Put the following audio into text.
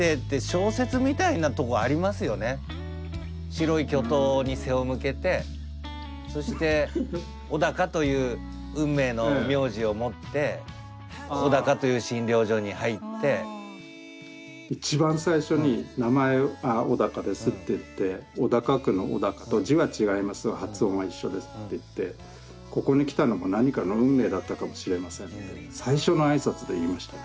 白い巨塔に背を向けてそして一番最初に「名前は小鷹です」って言って「小高区の小高と字は違いますが発音は一緒です」って言って「ここに来たのも何かの運命だったかもしれません」って最初の挨拶で言いましたね。